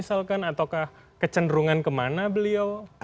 atau kecenderungan kemana beliau